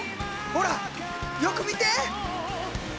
ほらよく見て！